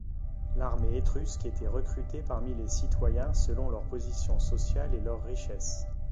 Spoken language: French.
L’armée étrusque était recrutée parmi les citoyens selon leur position sociale et leur richesse.